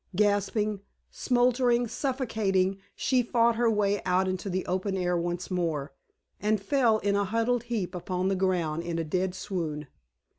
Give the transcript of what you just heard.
Gasping, smothering, suffocating, she fought her way out into the open air once more, and fell in a huddled heap upon the ground in a dead swoon.